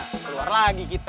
keluar lagi kita